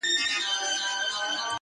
د غلا په جرم به باچاصاحب محترم نيسې _